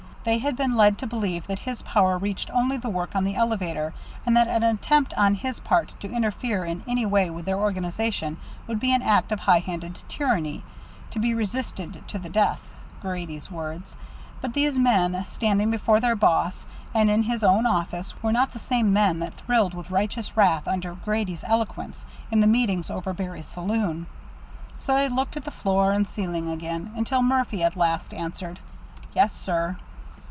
They had been led to believe that his power reached only the work on the elevator, and that an attempt on his part to interfere in any way with their organization would be an act of high handed tyranny, "to be resisted to the death" (Grady's words). But these men standing before their boss, in his own office, were not the same men that thrilled with righteous wrath under Grady's eloquence in the meetings over Barry's saloon. So they looked at the floor and ceiling again, until Murphy at last answered: "Yes, sir."